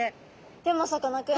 でもさかなクン